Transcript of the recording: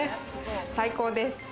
最高です！